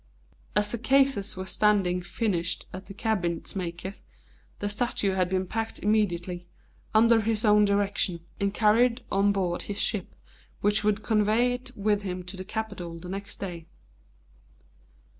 As the cases were standing finished at the cabinetmaker's, the statue had been packed immediately, under his own direction, and carried on board his ship, which would convey it with him to the capital the next day.